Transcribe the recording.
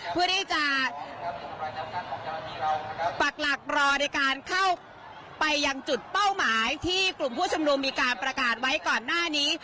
เพื่อที่จะปักหลักรอในการเข้าไปยังจุดเป้าหมายที่กลุ่มผู้ชุมนุมมีการประกาศไว้ก่อนหน้านี้